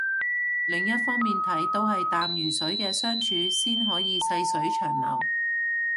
另一方面睇都係淡如水嘅相處先可以細水長流